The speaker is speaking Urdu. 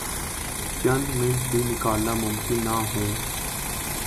چند منٹ بھی نکالنا ممکن نہ ہوں۔